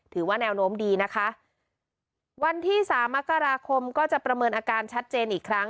ถือว่าแนวโน้มดีนะคะวันที่สามมกราคมก็จะประเมินอาการชัดเจนอีกครั้ง